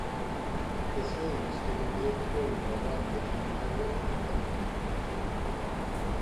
His home stood on the old road that ran between Marion and Benton.